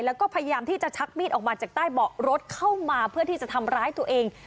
แล้วก็พยายามที่จะชักมีดออกมาจากใต้เบาะรถเข้ามาเพื่อที่จะทำร้ายตัวเอง